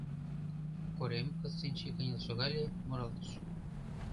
Корем Кыстинчи кынел шогале, муралтыш.